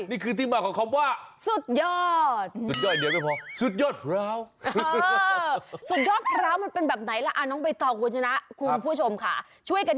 นี่คือที่มาของคำว่า